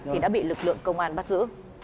thì đã bị lực lượng công an bắt giữ